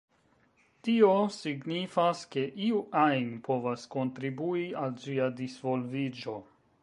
Tio signifas ke iu ajn povas kontribui al ĝia disvolviĝo.